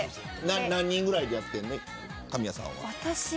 何人ぐらいでやってるの神谷さんは。